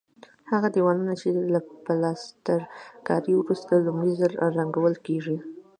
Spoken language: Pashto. هغه دېوالونه چې له پلسترکارۍ وروسته لومړی ځل رنګول کېږي.